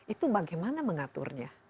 itu bagaimana mengaturnya